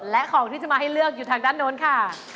และของที่จะมาให้เลือกอยู่ทางด้านโน้นค่ะ